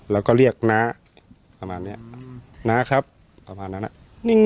แล้วก็เรียกน้าประมาณเนี้ยน้าครับประมาณนั้นอ่ะ